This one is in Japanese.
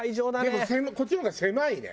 でもこっちの方が狭いね。